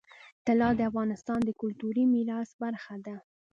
طلا د افغانستان د کلتوري میراث برخه ده.